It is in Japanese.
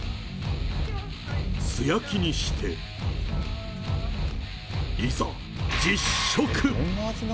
素焼きにして、いざ、実食。